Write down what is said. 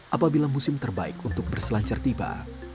apabila musim terbaik untuk berselancar tiba